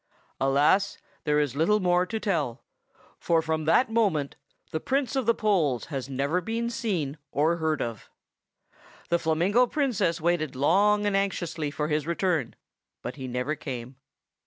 Alas! there is little more to tell; for from that moment the Prince of the Poles has never been seen or heard of. The Flamingo Princess waited long and anxiously for his return; but he never came.